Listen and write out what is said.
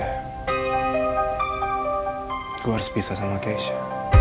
gue harus pisah sama keisha